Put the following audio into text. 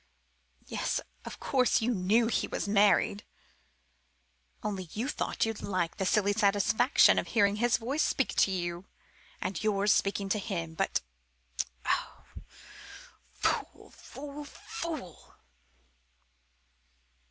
Yes, of course, you knew he was married; only you thought you'd like the silly satisfaction of hearing his voice speak to you, and yours speaking to him. But oh! fool! fool! fool!"